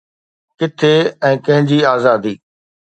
ڪٿي ۽ ڪنهن جي آزادي؟